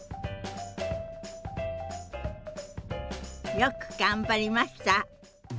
よく頑張りました！